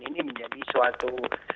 ini menjadi suatu